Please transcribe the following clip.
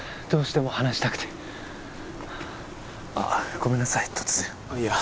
どうしても話したくてああごめんなさい